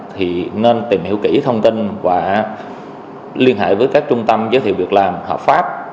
thì nên tìm hiểu kỹ thông tin và liên hệ với các trung tâm giới thiệu việc làm hợp pháp